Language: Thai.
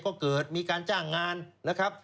ก็เกิดมีการจ้างงานนะครับ